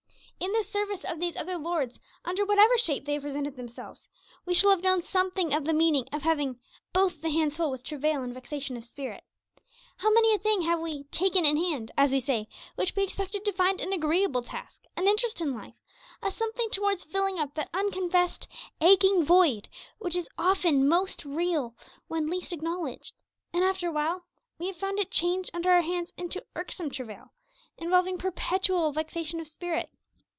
In the service of these 'other lords,' under whatever shape they have presented themselves, we shall have known something of the meaning of having 'both the hands full with travail and vexation of spirit.' How many a thing have we 'taken in hand,' as we say, which we expected to find an agreeable task, an interest in life, a something towards filling up that unconfessed 'aching void' which is often most real when least acknowledged; and after a while we have found it change under our hands into irksome travail, involving perpetual vexation of spirit!